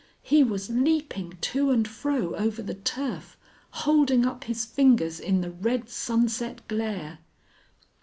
He was leaping to and fro over the turf, holding up his fingers in the red sunset glare.